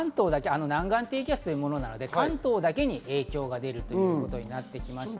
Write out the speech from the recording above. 南岸低気圧なので関東だけに影響が出るということになっていまして。